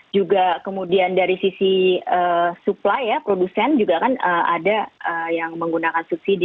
juga kemudian dari sisi supply ya produsen juga kan ada yang menggunakan subsidi